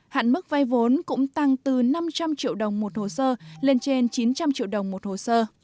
hạn mức vay vốn cũng tăng từ năm trăm linh triệu đồng một hồ sơ lên trên chín trăm linh triệu đồng một hồ sơ